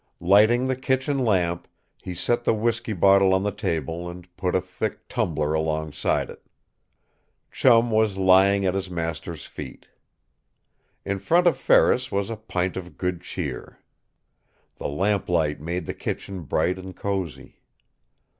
Lighting the kitchen lamp, he set the whisky bottle on the table and put a thick tumbler alongside it. Chum was lying at his master's feet. In front of Ferris was a pint of good cheer. The lamplight made the kitchen bright and cozy.